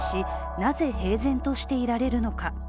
なぜ平然としていられるのか。